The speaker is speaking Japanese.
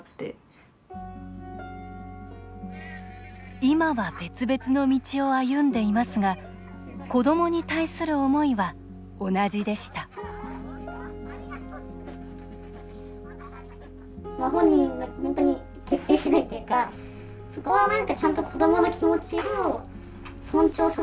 今は別々の道を歩んでいますが子どもに対する思いは同じでしたありがとうございました。